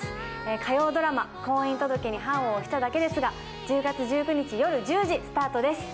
火曜ドラマ「婚姻届に判を捺しただけですが」、１０月１９日夜１０時スタートです。